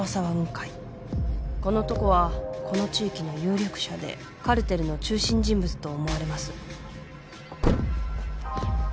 この男はこの地域の有力者でカルテルの中心人物と思われます。